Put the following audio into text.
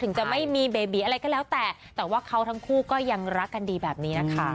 จะไม่มีเบบีอะไรก็แล้วแต่แต่ว่าเขาทั้งคู่ก็ยังรักกันดีแบบนี้นะคะ